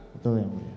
betul ya muridnya